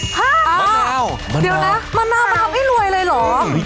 อ้าวเดี๋ยวนะมะนาวมันทำให้รวยเลยเหรอ